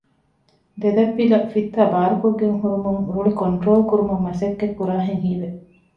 ދެދަތްޕިލަ ފިއްތާ ބާރުކޮށްގެން ހުރުމުން ރުޅި ކޮންޓްރޯލް ކުރުމަށް މަސައްކަތް ކުރާހެން ހީވެ